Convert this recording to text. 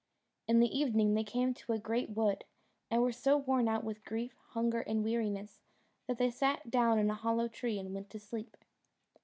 In the evening they came to a great wood, and were so worn out with grief, hunger, and weariness, that they sat down in a hollow tree and went to sleep.